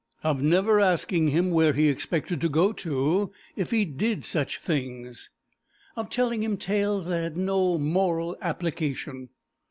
Of never asking him where he expected to go to if he did such things. Of telling him tales that had no moral application.